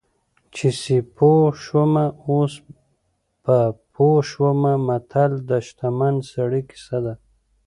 چې سیپو شومه اوس په پوه شومه متل د شتمن سړي کیسه ده